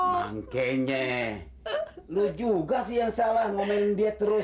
mangkenya lo juga sih yang salah mau main diet terus